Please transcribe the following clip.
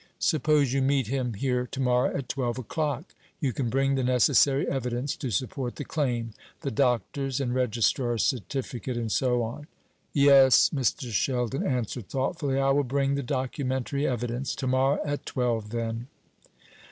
Suppose you meet him here to morrow at twelve o'clock? You can bring the necessary evidence to support the claim the doctor's and registrar's certificate, and so on?" "Yes," Mr. Sheldon answered, thoughtfully; "I will bring the documentary evidence. To morrow at twelve, then."